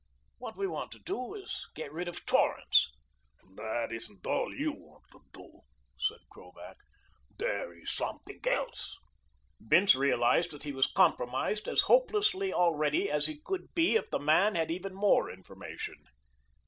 What we want to do is get rid of Torrance." "That isn't all you want to do," said Krovac. "There is something else." Bince realized that he was compromised as hopelessly already as he could be if the man had even more information.